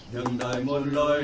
đừng đợi một lối